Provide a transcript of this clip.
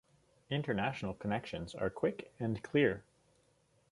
International connections are quick and clear.